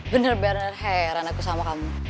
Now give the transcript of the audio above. bener bener heran aku sama kamu